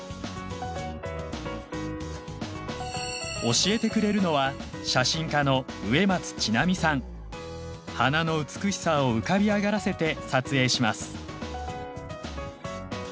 教えてくれるのは花の美しさを浮かび上がらせて撮影します。